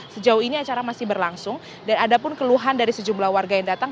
sejauh ini acara masih berlangsung dan ada pun keluhan dari sejumlah warga yang datang